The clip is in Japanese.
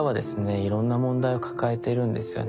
いろんな問題を抱えているんですよね。